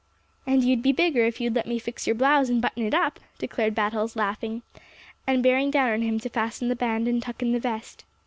"And you'd be bigger if you'd let me fix your blouse and button it up," declared Battles, laughing, and bearing down on him to fasten the band and tuck in the vest.